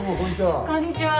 こんにちは。